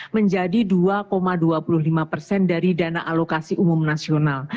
menjadi dua dua puluh lima persen dari dana alokasi umum nasional